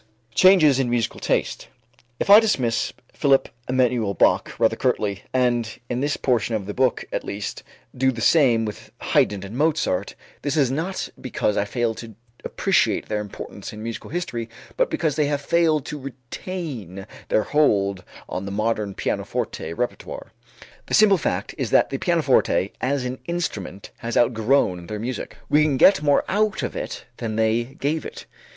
Changes in Musical Taste. If I dismiss Philipp Emanuel Bach rather curtly and, in this portion of the book at least, do the same with Haydn and Mozart, this is not because I fail to appreciate their importance in musical history, but because they have failed to retain their hold on the modern pianoforte repertoire. The simple fact is that the pianoforte as an instrument has outgrown their music. We can get more out of it than they gave it.